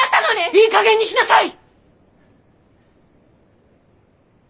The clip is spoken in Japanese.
いいかげんにしなさい！